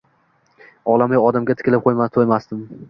olamu odamga tikilib toʼymasdim